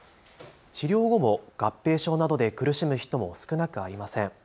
治療後も合併症などで苦しむ人も少なくありません。